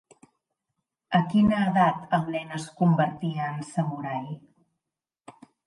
A quina edat el nen es convertia en samurai?